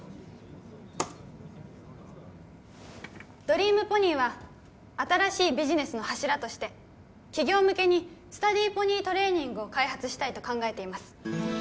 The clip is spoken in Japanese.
ドリームポニーは新しいビジネスの柱として企業向けにスタディーポニートレーニングを開発したいと考えています